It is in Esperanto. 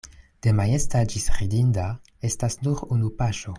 De majesta ĝis ridinda estas nur unu paŝo.